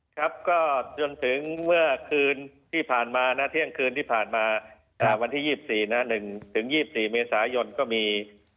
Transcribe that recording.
ครับก็จนถึงเมื่อคืนที่ผ่านมานะเที่ยงคืนที่ผ่านมาวันที่๒๔นะ๑๒๔เมษายนก็มี